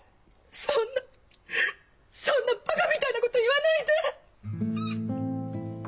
そんなそんなバカみたいなこと言わないで！